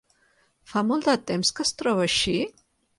Fa molt de temps que es troba així?